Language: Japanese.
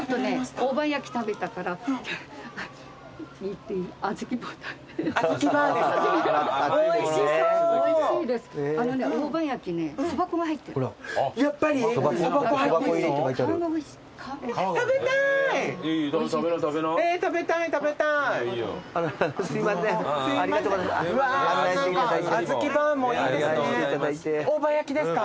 大判焼きですか？